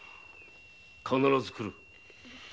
必ず来る。